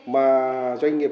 mà doanh nghiệp